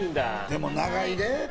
でも長いで。